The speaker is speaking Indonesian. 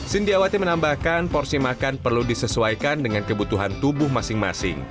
sindiawati menambahkan porsi makan perlu disesuaikan dengan kebutuhan tubuh masing masing